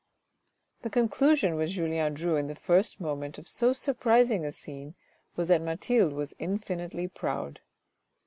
The conclusion which Julien drew in the first moment of so surprising a scene, was that Mathilde was infinitely proud.